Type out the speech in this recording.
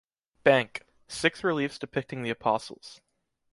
Bank; six reliefs depicting the Apostles.